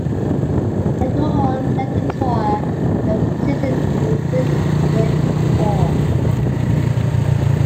Englehorn led the tour that season in wins with four.